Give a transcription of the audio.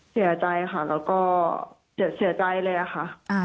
เสียใจค่ะแล้วก็เสียใจเลยค่ะ